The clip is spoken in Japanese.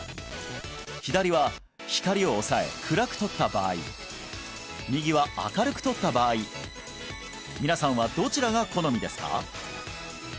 左は光を抑え暗く撮った場合右は明るく撮った場合皆さんはどちらが好みですか？